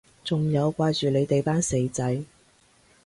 仲有掛住你哋班死仔